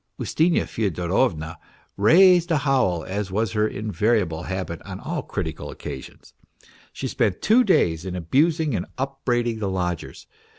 Ustinya Fyodorovna raised a howl, as was her invariable habit on all critical occa sions. She spent two days in abusing and upbraiding the lodgers.